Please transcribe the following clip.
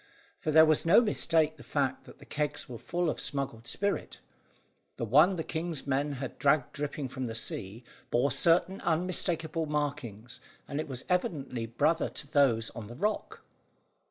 For there was no mistaking the fact that the kegs were full of smuggled spirit. The one the king's men had dragged dripping from the sea, bore certain unmistakable markings, and it was evidently brother to those on the rock.